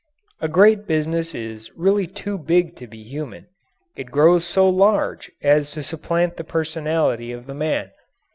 A great business is really too big to be human. It grows so large as to supplant the personality of the man.